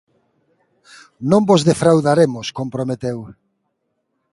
Non vos defraudaremos comprometeu.